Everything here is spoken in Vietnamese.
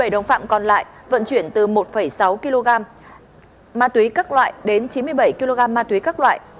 bảy đồng phạm còn lại vận chuyển từ một sáu kg ma túy các loại đến chín mươi bảy kg ma túy các loại